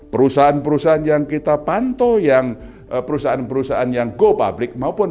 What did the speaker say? perusahaan perusahaan yang kita pantau yang perusahaan perusahaan yang go public maupun